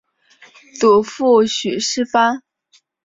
祖父许士蕃。